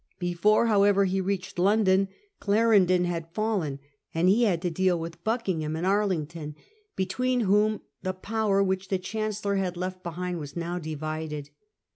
Before however he reached London, Cla rendon had fallen, and he had to deal with Buckingham and Arlington, between whom the power which the Chancellor had left behind was now divided.